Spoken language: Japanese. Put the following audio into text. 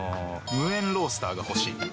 無煙ロースターが欲しい。